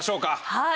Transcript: はい。